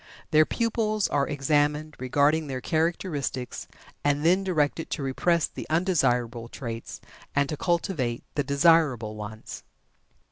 Their pupils are examined regarding their characteristics, and then directed to repress the undesirable traits, and to cultivate the desirable ones.